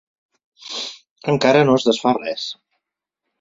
Encara no es desfà res.